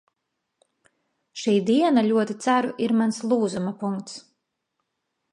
Šī diena, ļoti ceru, ir mans lūzuma punkts.